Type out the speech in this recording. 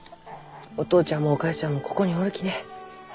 お父ちゃんもお母ちゃんもここにおるきね。